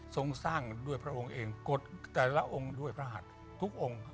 ทรงสร้างด้วยพระองค์เองกฎแต่ละองค์ด้วยพระหัสทุกองค์